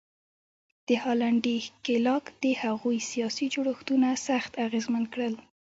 د هالنډي ښکېلاک د هغوی سیاسي جوړښتونه سخت اغېزمن کړل.